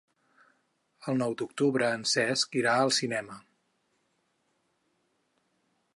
El nou d'octubre en Cesc irà al cinema.